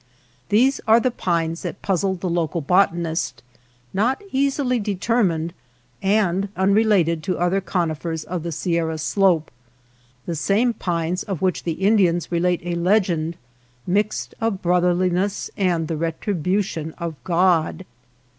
These are the pines that puz zle the local botanist, not easily determined, and unrelated to other conifers of the Si erra slope ; the same pines of which the Indians relate a legend mixed of brother liness and the retribution of God.